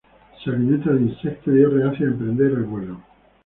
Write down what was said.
Se alimenta de insectos y es reacio a emprender el vuelo.